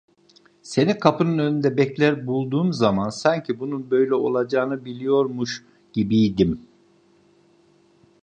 Seni kapının önünde bekler bulduğum zaman sanki bunun böyle olacağını biliyormuş gibiydim.